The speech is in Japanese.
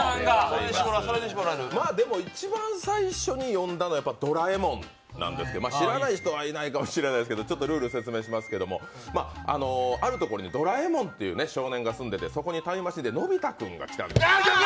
でも一番最初に読んだのは「ドラえもん」なんですけど知らない人はいないかもしれないですけどちょっとルールを説明しますけど、あるところにドラえもんという少年が住んでいて、そこにタイムマシンでのび太君が来たんです。